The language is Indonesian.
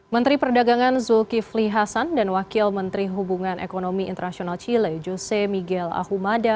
menteri perdagangan zulkifli hasan dan wakil menteri hubungan ekonomi internasional chile jose migel ahumada